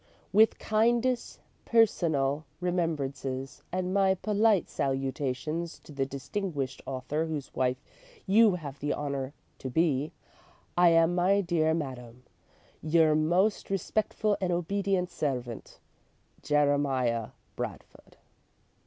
"With kindest personal remembrances and my polite salutations to the distinguished author whose wife you have the honour to be, I am, my dear madam, "Yr. most respectful and obedient servant, "Jeremiah Bradford.